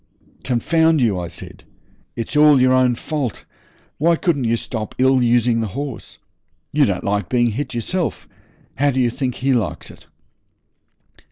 'Confound you,' I said, 'it's all your own fault. Why couldn't you stop ill using the horse? You don't like being hit yourself. How do you think he likes it?'